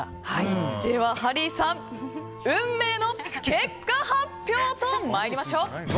では、ハリーさん運命の結果発表と参りましょう。